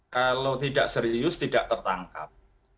kalau tidak serius tidak tertangkap